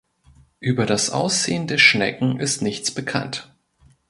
Über das Aussehen der Schnecken ist nichts bekannt.